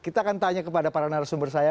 kita akan tanya kepada para narasumber saya